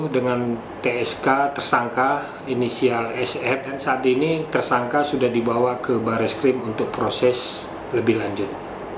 dengan tsk tersangka inisial sf dan saat ini tersangka sudah dibawa ke baris krim untuk proses lebih lanjut